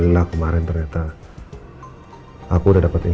silahkan mbak mbak